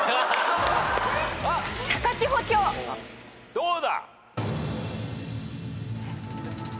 どうだ？